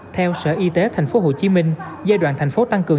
theo sở y tế tp hcm giai đoạn thành phố tăng cường